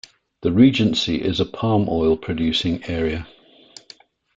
The regency is a palm oil producing area.